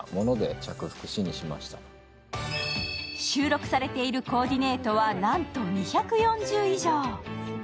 収録されているコーディネートは、なんと２４０以上。